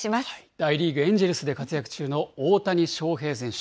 大リーグ・エンジェルスで活躍中の大谷翔平選手。